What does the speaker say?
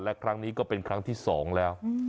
และครั้งนี้ก็เป็นครั้งที่๒แล้ว